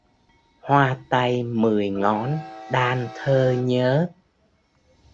Hoa tay mười ngón đan thơ nhớ